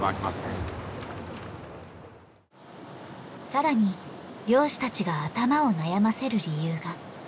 さらに漁師たちが頭を悩ませる理由が。